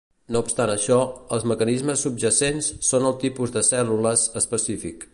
No obstant això, els mecanismes subjacents són el tipus de cèl·lules específic.